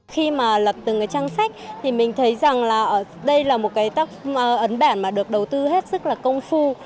khi mà lật từng cái trang sách thì mình thấy rằng là đây là một cái ấn bản mà được đầu tư hết sức là công phu